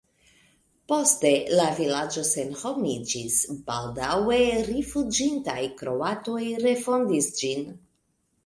Poste la vilaĝo senhomiĝis, baldaŭe rifuĝintaj kroatoj refondis ĝin.